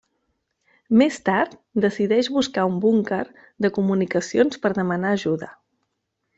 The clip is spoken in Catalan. Més tard, decideix buscar un búnquer de comunicacions per demanar ajuda.